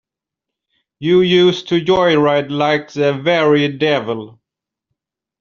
You used to joyride like the very devil.